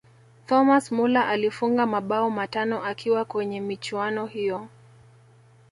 thomas muller alifunga mabao matano akiwa kwenye michuano hiyo